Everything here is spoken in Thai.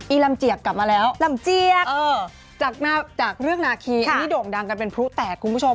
ลำเจียกกลับมาแล้วลำเจียกจากเรื่องนาคีอันนี้โด่งดังกันเป็นพลุแตกคุณผู้ชม